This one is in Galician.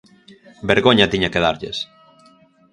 ¡Vergoña tiña que darlles!